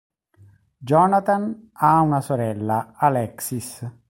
Jonathan ha una sorella, Alexis.